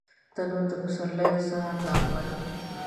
تنور د پسرلي د سهار نغمه ده